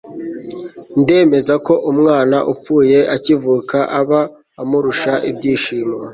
ndemeza ko umwana upfuye akivuka aba amurusha ibyishimo